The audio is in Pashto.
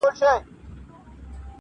خو د غوجلې ځای لا هم چوپ او خالي دی,